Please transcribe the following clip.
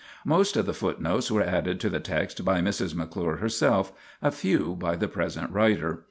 Most of the footnotes were added to the text by Mrs. McClure herself, a few by the present writer.